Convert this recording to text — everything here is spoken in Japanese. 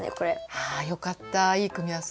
ああよかったいいくみあわせ？